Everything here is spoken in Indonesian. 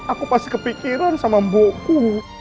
aku pasti kepikiran sama buku